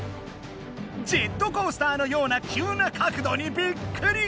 ジェットコースターのようなきゅうなかくどにびっくり！